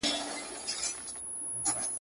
ژبه د پوهوني او پوهیدني هغه صوتي سیمبولیک وسیله ده